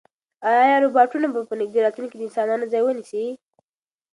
ایا روبوټونه به په نږدې راتلونکي کې د انسانانو ځای ونیسي؟